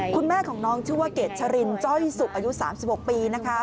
คุณแม่ของน้องชื่อว่าเกดชรินจ้อยสุกอายุ๓๖ปีนะคะ